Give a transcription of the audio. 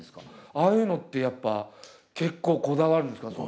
ああいうのってやっぱ結構こだわるんですか？